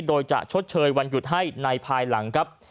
โดยจะชดเชยวันหยุดให้ในภายหลังครับ